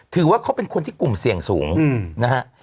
ถือว่าเขาเป็นคนที่กลุ่มเสี่ยงสูงนะฮะ